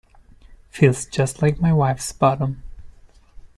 Feels just like my wife's bottom.